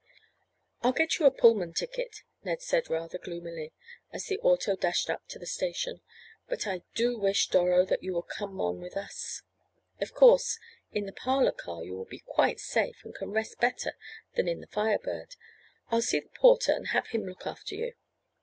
"I'll get you a Pullman ticket," Ned said rather gloomily, as the auto dashed up to the station, "but I do wish, Doro, that you would come on with us. Of course, in the parlor car you will be quite safe, and can rest better than in the Fire Bird. I'll see the porter and have him look after you."